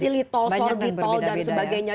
silitol sorbitol dan sebagainya